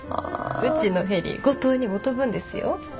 うちのヘリ五島にも飛ぶんですよ。